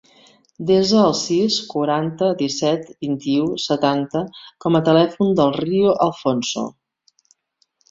Desa el sis, quaranta, disset, vint-i-u, setanta com a telèfon del Rio Alfonso.